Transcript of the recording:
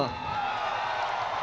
kepala kepala kepala kepala